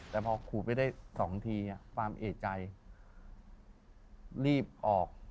แต่พอขูดไปได้๒ทีคุณก็ได้รู้สึก